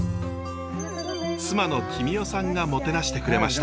妻の君代さんがもてなしてくれました。